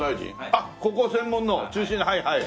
あっここ専門の中心はいはい。